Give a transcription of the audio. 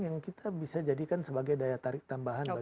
yang kita bisa jadikan sebagai daya tarik tambahan